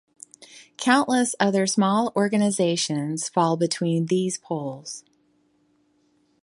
Countless other small organisations fall between these poles.